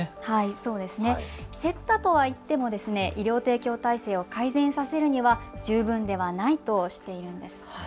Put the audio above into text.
そうですね。減ったといっても医療提供体制を改善させるには十分ではないとしているんです。